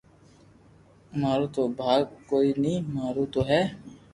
مارو تو ڀاگ ڪوئي ني مارو تو ھي